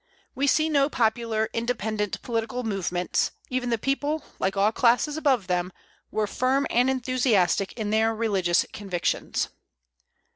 We see no popular, independent political movements; even the people, like all classes above them, were firm and enthusiastic in their religious convictions.